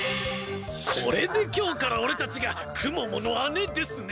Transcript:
これで今日から俺たちが「クモモの姉」ですね。